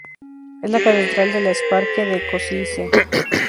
Es la catedral de la eparquía de Košice.